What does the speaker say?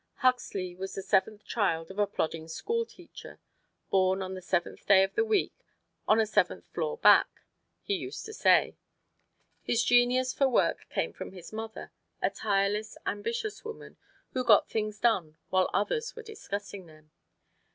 Huxley was the seventh child of a plodding schoolteacher, born on the seventh day of the week on a seventh floor back, he used to say. His genius for work came from his mother, a tireless, ambitious woman, who got things done while others were discussing them.